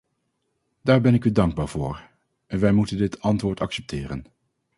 Daar ben ik u dankbaar voor, en wij moeten dit antwoord accepteren.